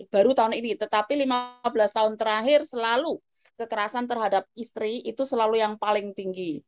baru tahun ini tetapi lima belas tahun terakhir selalu kekerasan terhadap istri itu selalu yang paling tinggi